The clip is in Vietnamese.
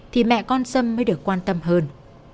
thì mẹ con sâm mới được quan tâm hơn